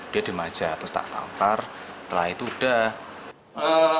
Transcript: dia di maja terus tak kantar setelah itu udah